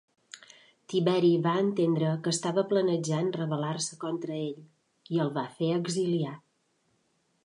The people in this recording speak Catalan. Tiberi va entendre que estava planejant rebel·lar-se contra ell i el va fer exiliar.